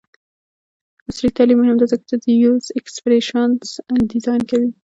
عصري تعلیم مهم دی ځکه چې د یوزر ایکسپیرینس ډیزاین کوي.